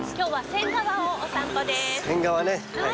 仙川ね。